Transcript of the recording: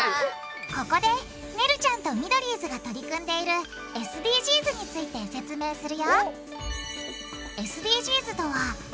ここでねるちゃんとミドリーズが取り組んでいるＳＤＧｓについて説明するよ！